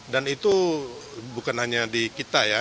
dan itu bukan hanya di kita ya